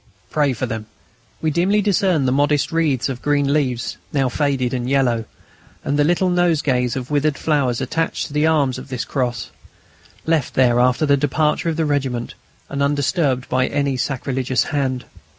PRAY FOR THEM. We dimly discerned the modest wreaths of green leaves, now faded and yellow, and the little nosegays of withered flowers attached to the arms of this cross, left there after the departure of the regiment and undisturbed by any sacrilegious hand.